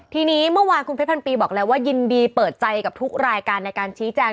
ทีนี้เมื่อวานคุณเพชรพันปีบอกแล้วว่ายินดีเปิดใจกับทุกรายการในการชี้แจง